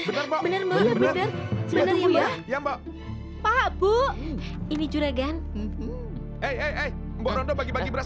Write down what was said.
bener bener iya iya iya iya mbak pak bu ini curagan eh eh eh mbok rondo bagi bagi beras